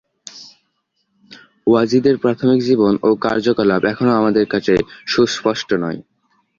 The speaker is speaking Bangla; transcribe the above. ওয়াজিদের প্রাথমিক জীবন ও কার্যকলাপ এখনও আমাদের কাছে সুস্পষ্ট নয়।